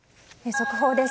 速報です。